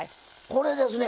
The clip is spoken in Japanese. これですね。